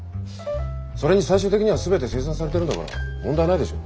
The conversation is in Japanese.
それに最終的には全て精算されてるんだから問題ないでしょ？